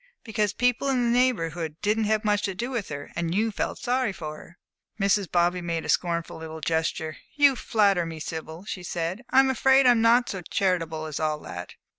because people in the Neighborhood didn't have much to do with her, and you felt sorry for her?" Mrs. Bobby made a scornful little gesture. "You flatter me, Sibyl," she said. "I'm afraid I'm not so charitable as all that.